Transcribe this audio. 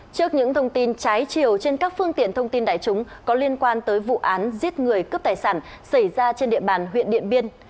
trước những thông tin trái chiều trên các phương tiện thông tin đại chúng có liên quan tới vụ án giết người cướp tài sản xảy ra trên địa bàn huyện điện biên